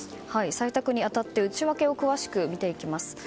採択に当たって内訳を詳しく見ていきます。